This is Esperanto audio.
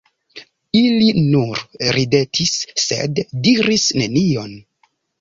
Ili nur ridetis, sed diris nenion.